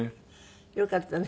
よかったね。